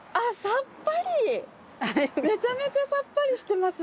めちゃめちゃさっぱりしてますね。